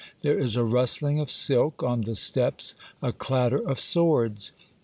There is a rustling of silk on the steps, a clatter of swords.